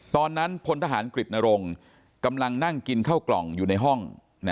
พลทหารกฤตนรงกำลังนั่งกินข้าวกล่องอยู่ในห้อง